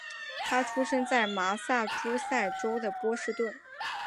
他出生在麻萨诸塞州的波士顿。